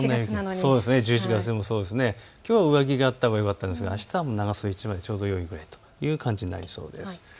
１１月なのにきょうは上着があったほうがよかったんですがあしたは長袖１枚でちょうどよいという感じになりそうです。